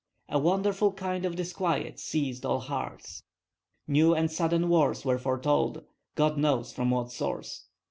A wonderful kind of disquiet seized all hearts. New and sudden wars were foretold, God knows from what source.